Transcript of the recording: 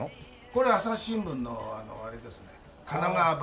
これ朝日新聞のあれですね神奈川版。